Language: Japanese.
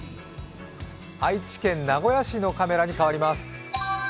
愛知県名古屋市のカメラに変わります。